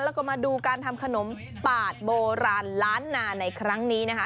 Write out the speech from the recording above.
แล้วก็มาดูการทำขนมปาดโบราณล้านนาในครั้งนี้นะคะ